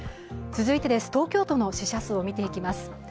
続いて、東京都の死者数を見ていきます。